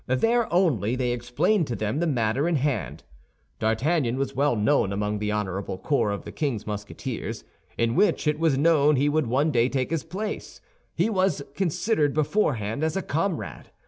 There only they explained to them the matter in hand. D'Artagnan was well known among the honorable corps of the king's Musketeers, in which it was known he would one day take his place; he was considered beforehand as a comrade.